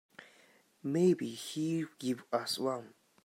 Maybe he'll give us one.